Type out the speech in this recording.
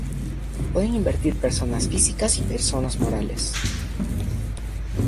Pueden invertir personas físicas y personas morales.